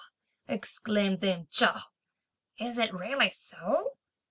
exclaimed dame Chao. "Is it really so?